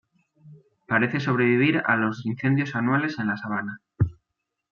Parece sobrevivir a los incendios anuales en la sabana.